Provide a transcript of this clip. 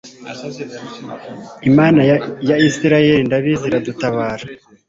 imana ya isirayeli ndabizi iradutabara